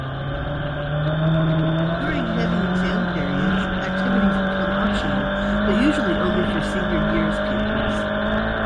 During heavy exam periods activities become optional but usually only for senior years pupils.